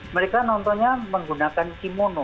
mereka nontonnya menggunakan kimono